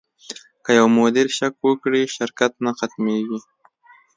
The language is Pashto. که یو مدیر شک وکړي، شرکت نه ختمېږي.